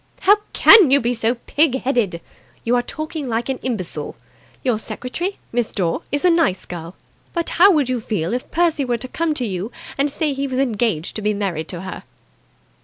"How can you be so pig headed! You are talking like an imbecile. Your secretary, Miss Dore, is a nice girl. But how would you feel if Percy were to come to you and say that he was engaged to be married to her?"